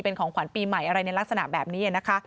เป็นของขวัญปีใหม่อะไรในลักษณะแบบนี้นะคะ